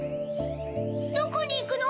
どこにいくの？